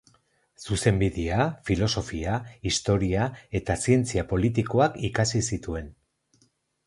Zuzenbidea, filosofia, historia eta zientzia politikoak ikasi zituen.